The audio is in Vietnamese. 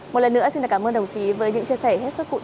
một lần nữa xin cảm ơn đồng chí với những chia sẻ hết sức cụ thể vừa rồi